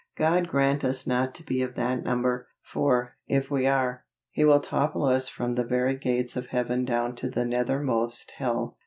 God grant us not to be of that number, for, if we are, He will topple us from the very gates of Heaven down to the nethermost hell.